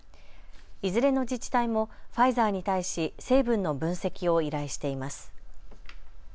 いずれの自治体もファイザーに対し成分の分析を依頼しています。